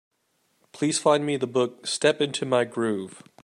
Please find me the book Step Into My Groove.